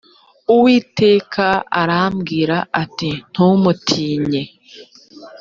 uwiteka arambwira ati ntumutinye